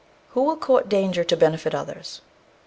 Who will court danger to benefit others?